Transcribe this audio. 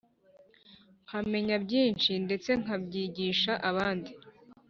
nkamenya byinshi ndetse nkabyigisha abandi.